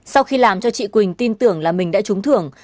sau khi làm cho chị quỳnh tin tưởng là mình đã trúng thưởng